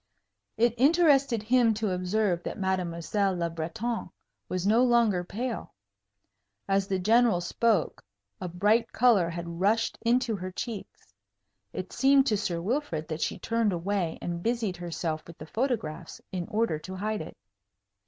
It interested him to observe that Mademoiselle Le Breton was no longer pale. As the General spoke, a bright color had rushed into her cheeks. It seemed to Sir Wilfrid that she turned away and busied herself with the photographs in order to hide it.